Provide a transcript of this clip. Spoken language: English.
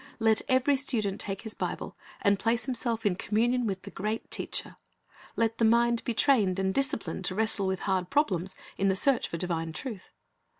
Let every student take his Bible, and place himself in communion with the great Teacher. Let the mind be trained and disciplined to wrestle with hard problems in the search for divine truth.